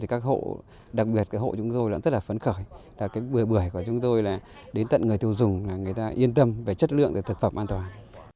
các hộ đặc biệt hộ chúng tôi rất là phấn khởi bưởi của chúng tôi đến tận người tiêu dùng người ta yên tâm về chất lượng và thực phẩm an toàn